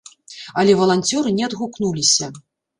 Але валанцёры не адгукнуліся.